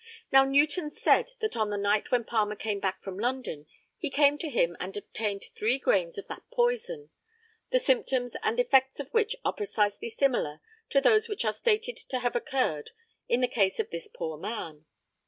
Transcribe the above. Now Newton said that on the night when Palmer came back from London, he came to him and obtained three grains of that poison, the symptoms and effects of which are precisely similar to those which are stated to have occurred in the case of this poor man.